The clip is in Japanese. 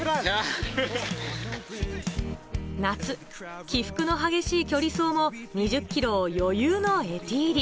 夏、起伏の激しい距離走も２０ｋｍを余裕のエティーリ。